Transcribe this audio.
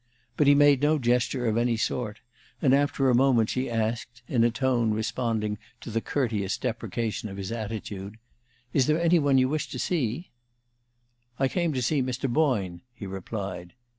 But he made no gesture of any sort, and after a moment she asked, in a tone responding to the courteous deprecation of his attitude: "Is there any one you wish to see?" "I came to see Mr. Boyne," he replied.